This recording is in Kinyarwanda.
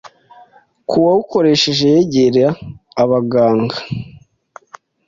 ku wabukoresheje yegera abaganga